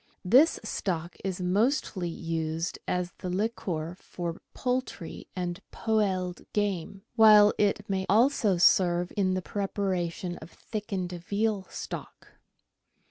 This stock is mostly used as the liquor for poultry and poeled game, while it may also serve in the preparation of thickened veal stock.